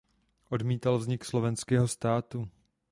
Odmítal vznik Slovenského státu.